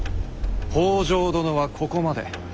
北条殿はここまで。